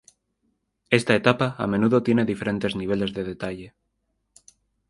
Esta etapa a menudo tiene diferentes niveles de detalle.